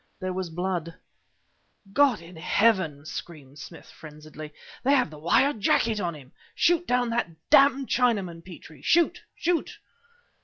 There was blood "God in heaven!" screamed Smith frenziedly "they have the wire jacket on him! Shoot down that damned Chinaman, Petrie! Shoot! Shoot!"